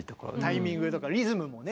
タイミングとかリズムもね